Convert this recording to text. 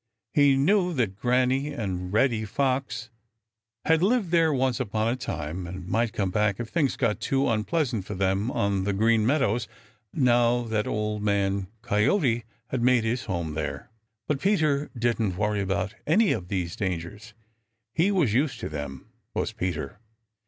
He knew that Granny and Reddy Fox had lived there once upon a time and might come back if things got too unpleasant for them on the Green Meadows, now that Old Man Coyote had made his home there. But Peter didn't worry about any of these dangers. He was used to them, was Peter.